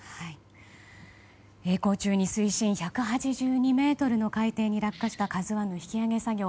曳航中に水深１８２ｍの海底に落下した「ＫＡＺＵ１」の引き揚げ作業